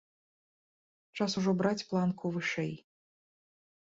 Час ужо браць планку вышэй.